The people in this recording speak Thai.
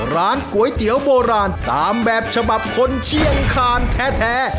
ร้านก๋วยเตี๋ยวโบราณตามแบบฉบับคนเชียงคานแท้